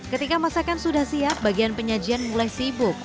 ketika masakan sudah siap bagian penyajian mulai sibuk